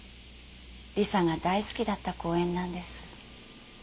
理沙が大好きだった公園なんです。